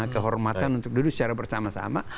kehormatan untuk duduk secara bersama sama